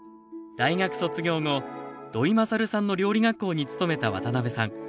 大学卒業後土井勝さんの料理学校に勤めた渡辺さん。